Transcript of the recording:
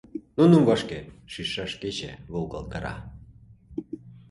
Нуным вашке шичшаш кече волгалтара.